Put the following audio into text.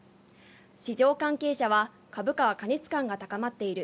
市場関係者は、株価は過熱感が高まっている。